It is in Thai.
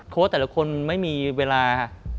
แต่ละคนไม่มีเวลา